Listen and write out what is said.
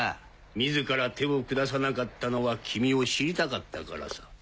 自ら手を下さなかったのは君を知りたかったからさ。